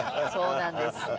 そうなんです。